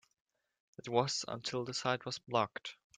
That was until the site was blocked.